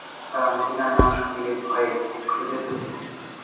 তারা মদীনার নাম শুনলেই ভয়ে কুঁকড়ে যেত।